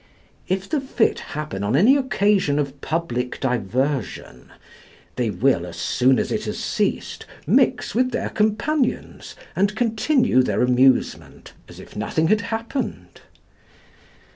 If the fit happen on any occasion of pubic diversion, they will, as soon as it has ceased, mix with their companions and continue their amusement as if nothing had happened.